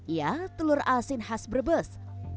ya telur asin khas brebes